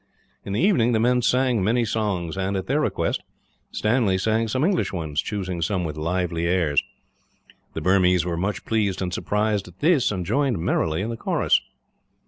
In the evening the men sang many songs and, at their request, Stanley sang some English ones, choosing some with lively airs. The Burmese were much pleased and surprised at these, and joined merrily in the chorus.